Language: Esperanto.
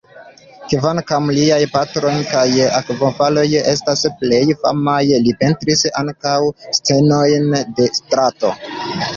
Kvankam liaj pontoj kaj akvofaloj estas plej famaj, li pentris ankaŭ scenojn de strato.